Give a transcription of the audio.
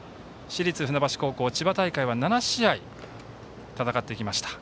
市立船橋高校、千葉大会は７試合戦ってきました。